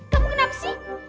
kamu kenapa sih